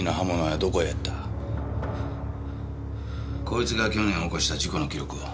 こいつが去年起こした事故の記録を。